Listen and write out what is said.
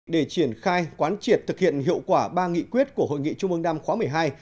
để triển khai quán triệt thực hiện hiệu quả ba nghị quyết của hội nghị trung ương năm khóa một mươi hai